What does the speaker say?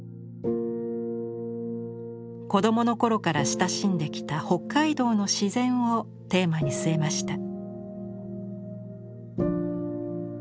子どものころから親しんできた「北海道の自然」をテーマに据えました。